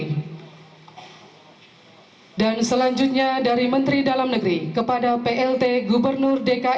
hai dan selanjutnya dari menteri dalam negeri kepada plt gubernur dki jakarta